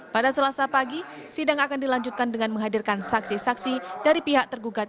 pada selasa pagi sidang akan dilanjutkan dengan menghadirkan saksi saksi dari pihak tergugat